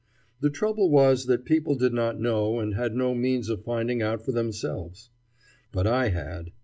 The trouble was that people did not know and had no means of finding out for themselves. But I had.